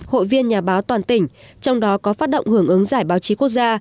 hội viên nhà báo toàn tỉnh trong đó có phát động hưởng ứng giải báo chí quốc gia